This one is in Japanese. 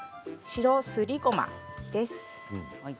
白すりごまです。